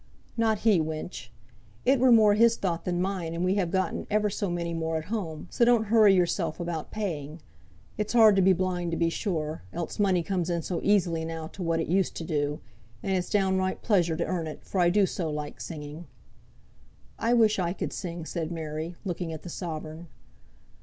"Not he, wench! It were more his thought than mine, and we have gotten ever so many more at home, so don't hurry yoursel about paying. It's hard to be blind, to be sure, else money comes in so easily now to what it used to do; and it's downright pleasure to earn it, for I do so like singing." "I wish I could sing," said Mary, looking at the sovereign.